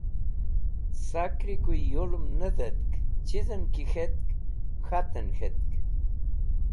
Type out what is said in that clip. Sakri kuyẽ yulẽm ne dhẽtk, chizẽn ki k̃hetk k̃htẽn k̃hetk.